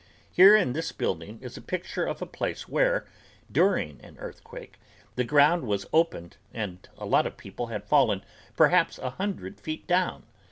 Here in this building is a picture of a place where, during an earthquake, the ground was opened and a lot of people had fallen perhaps a hundred feet down.